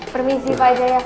permisi pak jaya